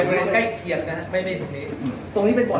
ในพนนี้มีแค่แคลียรนะฮะไม่ได้ตรงนี้ตรงนี้ไปก่อน